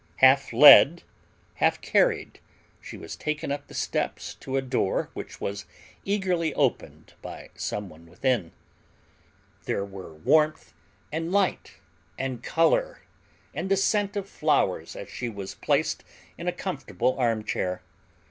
Half led, half carried, she was taken up the steps to a door which was eagerly opened by some one within. There were warmth and light and color and the scent of flowers as she was placed in a comfortable arm chair.